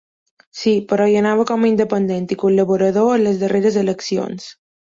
Sí, però hi anava com a independent i col·laborador en les darreres eleccions.